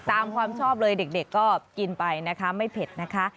ตามความชอบเลยเด็กก็กินไปนะคะไม่เผ็ดนะคะ